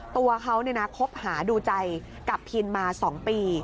ตัวเค้าเนี่ยนะคบหาดูใจกับพินมา๒ปี